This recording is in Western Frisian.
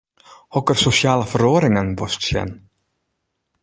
Hokker sosjale feroaringen wolst sjen?